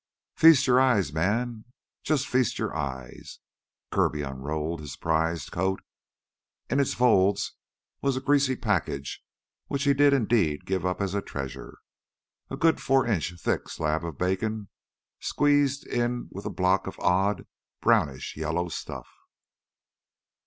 "Feast your eyes, man! Jus' feast your eyes!" Kirby unrolled his prized coat. In its folds was a greasy package which did indeed give up a treasure a good four inch thick slab of bacon squeezed in with a block of odd, brownish yellow stuff.